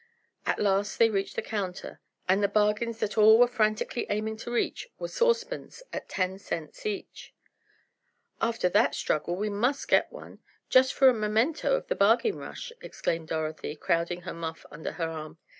At last they reached the counter, and the bargains that all were frantically aiming to reach were saucepans at ten cents each. "After that struggle, we must get one, just for a memento of the bargain rush," exclaimed Dorothy, crowding her muff under her arm.